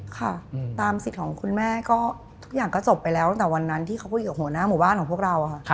ค่ะตามสิทธิ์ของคุณแม่ก็ทุกอย่างก็จบไปแล้วตั้งแต่วันนั้นที่เขาคุยกับหัวหน้าหมู่บ้านของพวกเราค่ะ